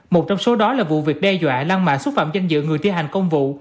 một trong số đó là vụ việc đe dọa lan mạ xúc phạm danh dự người thi hành công vụ